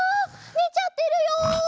ねちゃってるよ！